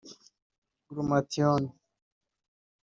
Glutathione